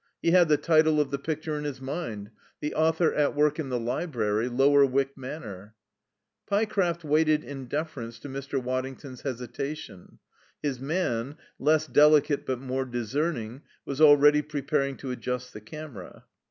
He had the title of the picture in his mind: "The Author at Work in the Library, Lower Wyck Manor." Pyecraft waited in deference to Mr. Waddington's hesitation. His man, less delicate but more discerning, was already preparing to adjust the camera.